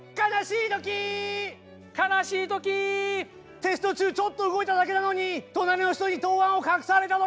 テスト中ちょっと動いただけなのに隣の人に答案を隠された時。